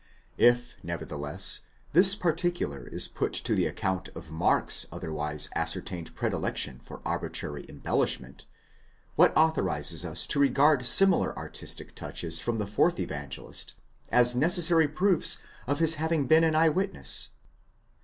® If, nevertheless, this particular is put to the account of Mark's otherwise ascertained predilection for arbitrary embellishment,® what authorizes us to regard similar artistic touches from the fourth Evangelist, as necessary proofs of his having been an eye witness?